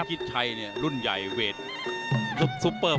นักมวยจอมคำหวังเว่เลยนะครับ